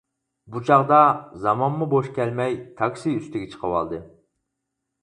بۇ چاغدا زامانمۇ بوش كەلمەي، تاكسى ئۈستىگە چىقىۋالدى.